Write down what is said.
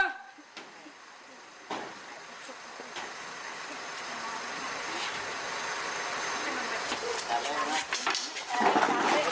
เจ๊มาจากไหน